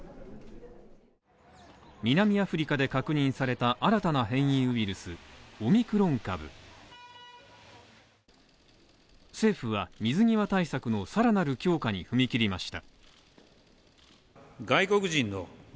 南アフリカで確認された新たな変異ウイルス、オミクロン株政府は水際対策のさらなる強化に踏み切りました。